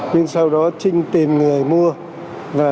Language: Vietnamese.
nhưng sau đó trinh tìm người mua